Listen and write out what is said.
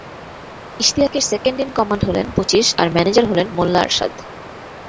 ইশতিয়াকের second in command হলেন পঁচিশ আর ম্যানেজার হলেন মোল্লা আরশাদ।